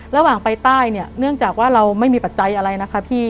ระหว่างไปใต้เนี่ยเนื่องจากว่าเราไม่มีปัจจัยอะไรนะคะพี่